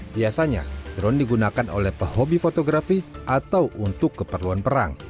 biasanya drone digunakan oleh pehobi fotografi atau untuk keperluan perang